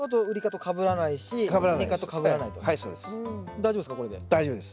大丈夫です。